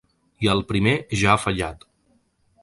I el primer ja ha fallat.